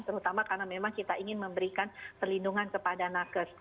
terutama karena memang kita ingin memberikan perlindungan kepada nakes